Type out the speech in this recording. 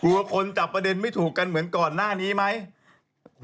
คนจับประเด็นไม่ถูกกันเหมือนก่อนหน้านี้ไหม